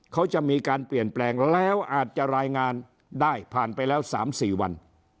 เขาจะมีการเปลี่ยนแปลงแล้วอาจจะรายงานได้ผ่านไปแล้ว๓๔วัน